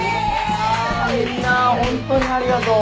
みんなホントにありがとう。